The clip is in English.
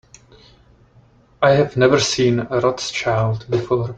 I have never seen a Rothschild before.